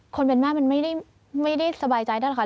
คนเป็นแม่มันไม่ได้สบายใจแล้วนะคะ